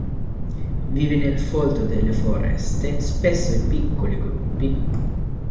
Vive nel folto delle foreste, spesso in piccoli gruppi.